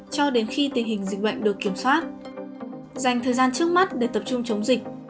cho đến khi tình hình dịch bệnh được kiểm soát dành thời gian trước mắt để tập trung chống dịch